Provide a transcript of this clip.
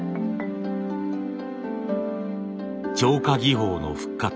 貼花技法の復活。